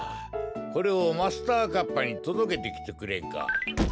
これをマスターカッパーにとどけてきてくれんか？